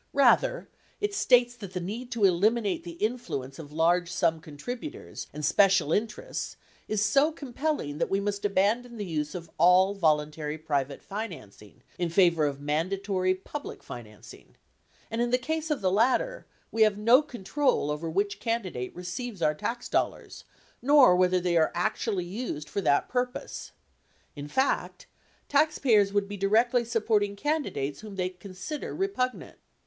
Rather, it states that the need to eliminate the influence of large sum contributors and special interests is so compelling that we must abandon the use of all voluntary private financing in favor of mandatory, public financing ; and in the case of the latter, we have no control over which candidate receives our tax dollars, nor whether they are actually used for that purpose. In fact, taxpayers would be directly supporting candidates whom they consider repugnant.